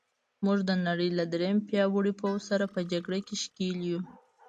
موږ د نړۍ له درېیم پیاوړي پوځ سره په جګړه کې ښکېل یو.